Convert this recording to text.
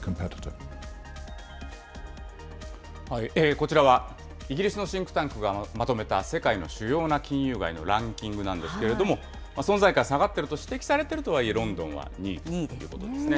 こちらは、イギリスのシンクタンクがまとめた世界の主要な金融街のランキングなんですけれども、存在感下がってると指摘されてるとはいえ、ロンドンは２位ということですね。